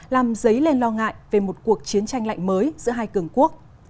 làm dấy lên lo ngại về một cuộc chiến tranh lạnh mới giữa hai cường quốc